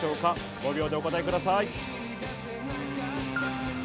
５秒でお答えください。